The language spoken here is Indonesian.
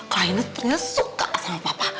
kaines ternyata suka sama papa